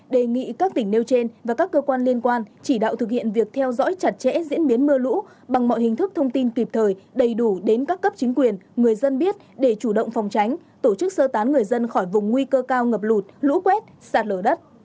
đề nghị các tỉnh nêu trên và các cơ quan liên quan chỉ đạo thực hiện việc theo dõi chặt chẽ diễn biến mưa lũ bằng mọi hình thức thông tin kịp thời đầy đủ đến các cấp chính quyền người dân biết để chủ động phòng tránh tổ chức sơ tán người dân khỏi vùng nguy cơ cao ngập lụt lũ quét sạt lở đất